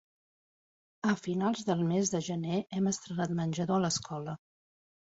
A finals del mes de gener hem estrenat menjador a l'escola.